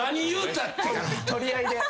取り合いで。